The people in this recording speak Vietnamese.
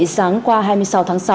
sáng qua hai mươi sáu tháng sáu